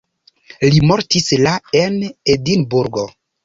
Li mortis la en Edinburgo.